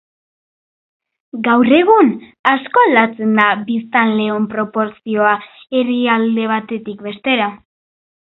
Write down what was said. Gaur egun, asko aldatzen da biztanleon proportzioa herrialde batetik bestera.